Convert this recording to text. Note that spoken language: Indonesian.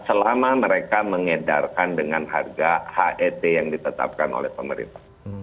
selama mereka mengedarkan dengan harga het yang ditetapkan oleh pemerintah